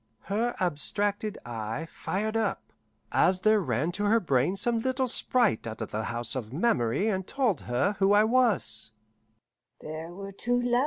Her abstracted eye fired up, as there ran to her brain some little sprite out of the House of Memory and told her who I was.